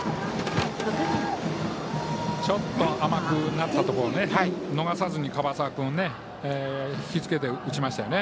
ちょっと甘くなったところを逃さずに引きつけて打ちましたね。